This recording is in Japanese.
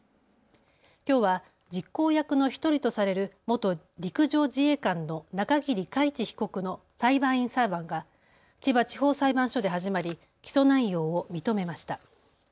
きょうは実行役の１人とされる元陸上自衛官の中桐海知被告の裁判員裁判が千葉地方裁判所で始まり起訴内容を認めました。